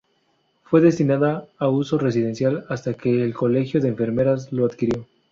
Fue destinada a uso residencial hasta que el Colegio de Enfermeras la adquirió.